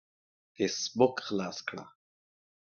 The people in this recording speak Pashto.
فيسبوک خلاص کړه.